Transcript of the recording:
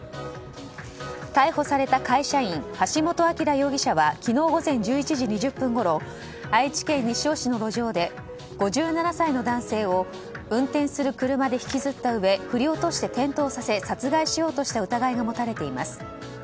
逮捕された会社員橋本晃容疑者は昨日午前１１時２０分ごろ愛知県西尾市の路上で５７歳の男性を運転する車で引きずったうえ振り落として転倒させ殺害しようとした疑いが持たれています。